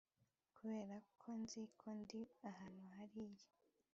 kuberako nzi ko ndi ahantu hariya